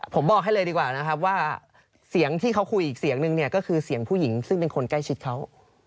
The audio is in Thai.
ผมบอกให้เลยดีกว่านะครับว่าเสียงที่เขาคุยอีกเสียงนึงเนี่ยก็คือเสียงผู้หญิงซึ่งเป็นคนใกล้ชิดเขา